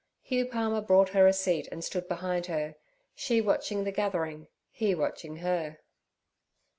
Hugh Palmer brought her a seat and stood behind her, she watching the gathering, he watching her.